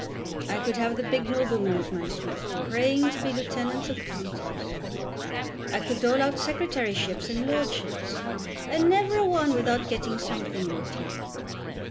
I could have the big noblemen at my feet, praying to be Lieutenants of Counties. I could dole out secretaryships and lordships, and never a one without getting something in return.